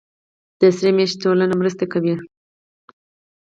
د سرې میاشتې ټولنه مرستې کوي